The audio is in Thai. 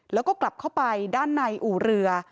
แล้วก็กลับเข้าไปด้านในอู่เรือ